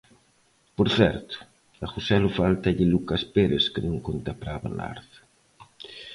Por certo, a Joselu fáltalle Lucas Pérez que non conta para Abelardo.